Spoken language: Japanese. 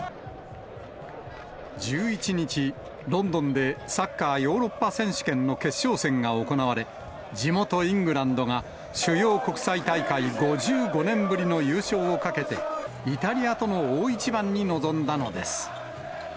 １１日、ロンドンでサッカーヨーロッパ選手権の決勝戦が行われ、地元イングランドが、主要国際大会５５年ぶりの優勝をかけて、イタリアとの大一番に臨んだのです。